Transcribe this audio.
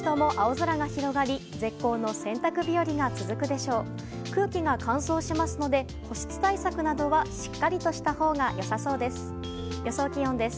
空気が乾燥しますので保湿対策などはしっかりとしたほうが良さそうです。